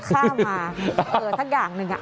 ข้ามาเออทั้งอย่างหนึ่งอ่ะ